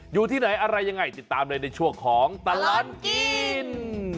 อยู่ที่ไหนอะไรยังไงติดตามเลยในช่วงของตลอดกิน